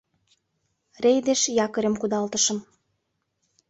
Рейдеш якорьым кудалтышым